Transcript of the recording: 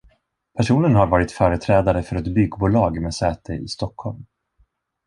Personen har varit företrädare för ett byggbolag med säte i Stockholm.